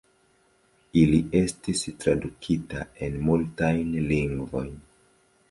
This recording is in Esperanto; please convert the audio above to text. Ili estis tradukita en multajn lingvojn.